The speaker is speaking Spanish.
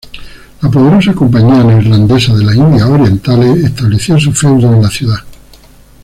La poderosa Compañía Neerlandesa de las Indias Orientales estableció su feudo en la ciudad.